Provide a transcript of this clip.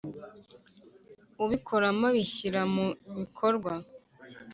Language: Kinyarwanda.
Ubikoramo abishyira mu bikorwa.